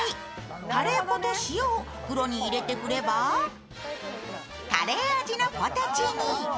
カレー粉と塩を袋に入れて振ればカレー味のポテチに。